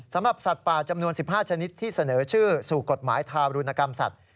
สำหรับสัตว์ป่าจำนวน๑๕ชนิดที่เสนอชื่อสู่กฎหมายทารุณกรรมสัตว